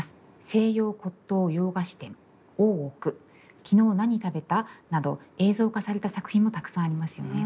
「西洋骨董洋菓子店」「大奥」「きのう何食べた？」など映像化された作品もたくさんありますよね。